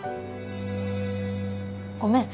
ごめん。